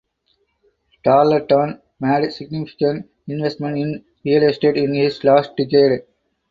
Tarleton made significant investment in real estate in his last decade.